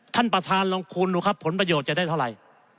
ท่านประธานลองคูณดูครับผลประโยชน์จะได้เท่าไหร่